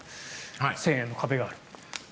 １０００円の壁がある。